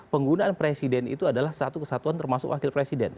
penggunaan presiden itu adalah satu kesatuan termasuk wakil presiden